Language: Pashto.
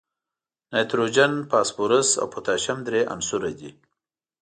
نایتروجن، فاسفورس او پوتاشیم درې عنصره دي.